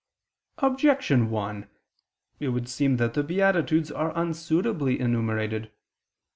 Objection 1: It would seem that the beatitudes are unsuitably enumerated.